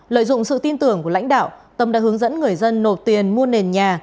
lợi dụng sự tin tưởng của lãnh đạo tâm đã hướng dẫn người dân nộp tiền mua nền nhà